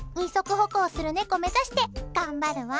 歩行する猫目指して頑張るわ。